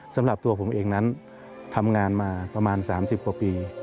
สำหรับตัวผมเองนั้นทำงานมาประมาณ๓๐กว่าปี